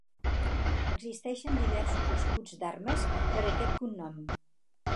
Existeixen diversos escuts d'armes per a aquest cognom.